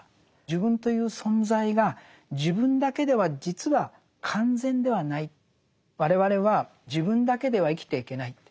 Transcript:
自分という存在が自分だけでは実は完全ではない我々は自分だけでは生きていけないって。